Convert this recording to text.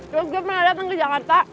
terus gue pernah datang ke jakarta